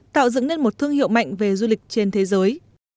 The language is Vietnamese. tạo dựng nên một thương hiệu mạnh về du lịch trên thế giới